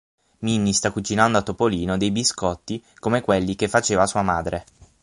Minni sta cucinando a Topolino dei biscotti come quelli che faceva sua madre.